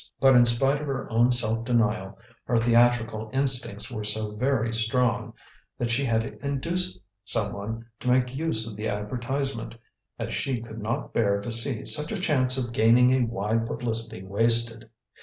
But in spite of her own self denial, her theatrical instincts were so very strong, that she had to induce someone to make use of the advertisement, as she could not bear to see such a chance of gaining a wide publicity wasted.